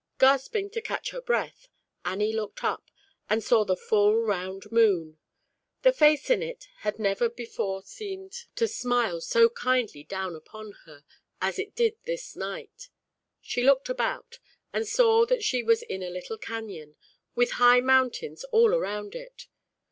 Gasping to catch her breath, Annie looked up and saw the full round moon. The face in it had never before seeme< X8: 188 ZAUBERLINDA, THE WISE WITCH. to smile so kindly down upon her, as it did this night. She looked about, and saw that she was in a little Canyon, with high Mountains all around it.